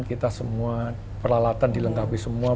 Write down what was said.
kita semua peralatan dilengkapi semua